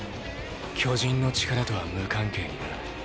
「巨人の力」とは無関係にな。